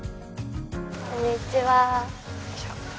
こんにちは。